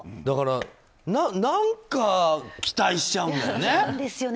何か期待しちゃうんだよね。